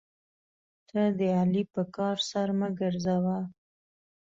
ته د علي په کار سر مه ګرځوه.